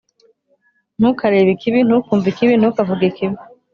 ntukarebe ikibi, ntukumve ikibi, ntukavuge ikibi